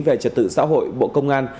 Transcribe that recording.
về trật tự xã hội bộ công an